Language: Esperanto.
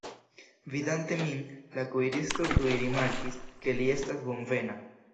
Vidante min, la kuiristo tuj rimarkis, ke li estas bonvena.